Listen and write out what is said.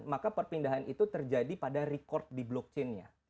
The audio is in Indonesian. maka perpindahan itu terjadi pada record di blockchain nya